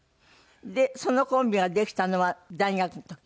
でそのコンビができたのは大学の時？